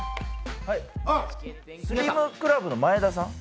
スリムクラブの眞栄田さん。